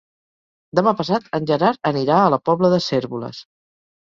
Demà passat en Gerard anirà a la Pobla de Cérvoles.